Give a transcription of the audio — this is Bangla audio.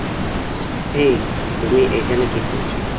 হেই, তুমি এখানে কি করছ?